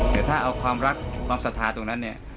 แต่ถ้าเอาความรักความศรัทธาตรงนั้นเนี่ย